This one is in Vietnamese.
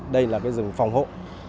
đây là rừng phòng hộ